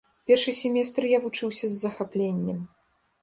Першы семестр я вучыўся з захапленнем.